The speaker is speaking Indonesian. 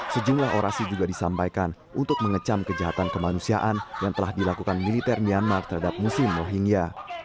sejumlah orasi juga disampaikan untuk mengecam kejahatan kemanusiaan yang telah dilakukan militer myanmar terhadap museum rohingya